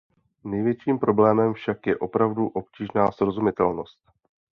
Největším problémem však je opravdu obtížná srozumitelnost.